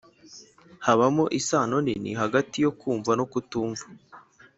hari isano nini hagati yo kumva no kutumva